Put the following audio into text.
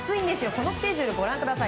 このスケジュールをご覧ください。